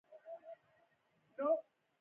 خوړل د شنو سبو فایده لري